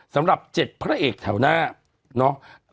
แล้วจะรอบไหนด้วย